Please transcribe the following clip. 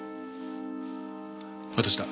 私だ。